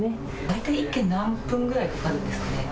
大体、１件何分くらいかかるんですか。